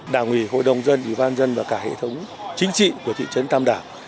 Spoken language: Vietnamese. đảng ủy hội đồng dân ủy ban dân và cả hệ thống chính trị của thị trấn tam đảo